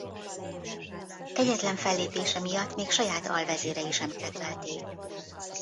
Kegyetlen fellépése miatt még saját alvezérei sem kedvelték.